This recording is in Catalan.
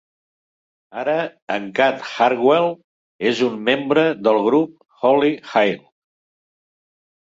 Ara, en Cat Hartwell és un membre del grup Holy Hail.